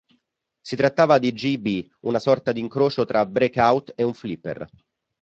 Si trattava di "Gee Bee", una sorta di incrocio tra "Breakout" e un Flipper.